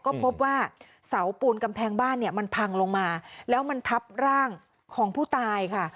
ก็พบว่าเสาปูนกำแพงบ้านเนี่ยมันพังลงมาแล้วมันทับร่างของผู้ตายค่ะ